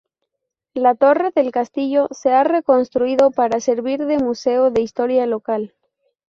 La torre del castillo se ha reconstruido para servir de museo de historia local.